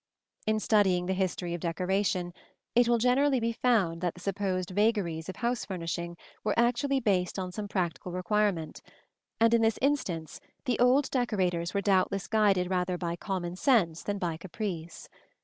In studying the history of decoration, it will generally be found that the supposed vagaries of house furnishing were actually based on some practical requirement; and in this instance the old decorators were doubtless guided rather by common sense than by caprice.